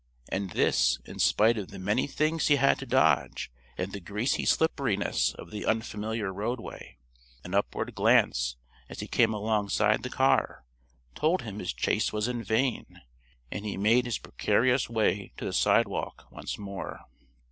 And this, in spite of the many things he had to dodge, and the greasy slipperiness of the unfamiliar roadway. An upward glance, as he came alongside the car, told him his chase was in vain. And he made his precarious way to the sidewalk once more.